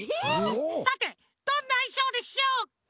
さてどんないしょうでしょうか？